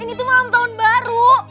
ini tuh malam tahun baru